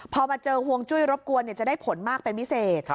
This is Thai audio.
พอมาเจอห่วงจุ้ยรบกวนจะได้ผลมากเป็นพิเศษ